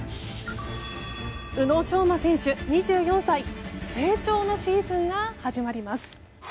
宇野昌磨選手、２４歳成長のシーズンが始まります。